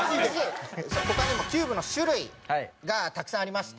他にもキューブの種類がたくさんありまして。